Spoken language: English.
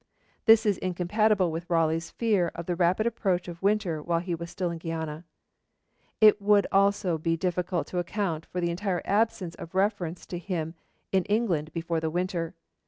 This is incompatible with Raleigh's fear of the rapid approach of winter while he was still in Guiana. It would also be difficult to account for the entire absence of reference to him in England before the winter.